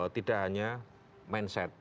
tidak hanya mindset